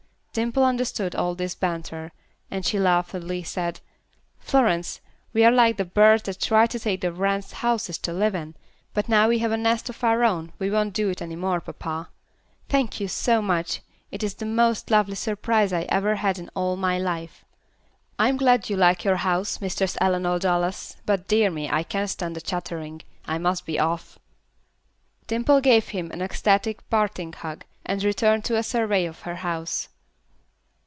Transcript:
Dimple understood all this banter, and she laughingly said, "Florence, we are like the birds that try to take the wrens' houses to live in. But now we have a nest of our own we won't do it any more, papa. Thank you so much. It is the most lovely surprise I ever had in all my life." "I'm glad you like your house, Mistress Eleanor Dallas; but, dear me, I can't stand here chattering. I must be off." Dimple gave him an ecstatic parting hug, and returned to a survey of her house.